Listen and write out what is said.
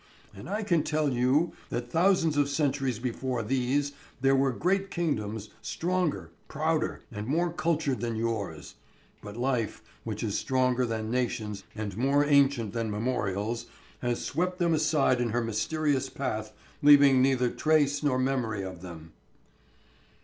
And I can tell you that thousands of centuries before these there were great kingdoms, stronger, prouder, and more cultured than yours. But life, which is stronger than nations and more ancient than memorials, has swept them aside in her mysterious path, leaving neither trace nor memory of them."